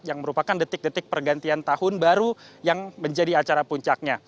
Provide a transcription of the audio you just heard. yang merupakan detik detik pergantian tahun baru yang menjadi acara puncaknya